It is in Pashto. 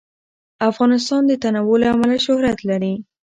افغانستان د تنوع له امله شهرت لري.